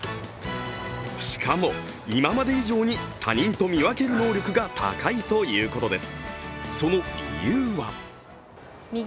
しかも、今まで以上に他人と見分ける能力が高いということです。